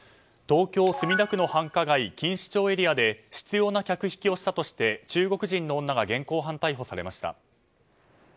東京・墨田区の繁華街錦糸町エリアで執拗な客引きをしたとして中国人の女が現行犯逮捕されました。